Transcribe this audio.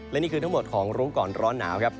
และนี่คือทั้งหมดของรู้ก่อนร้อนหนาวครับ